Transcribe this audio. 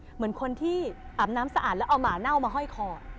เหมือนคนที่อาบน้ำสะอาดแล้วเอาหมาเน่ามาห้อยคอ